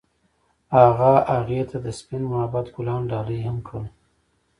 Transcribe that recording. هغه هغې ته د سپین محبت ګلان ډالۍ هم کړل.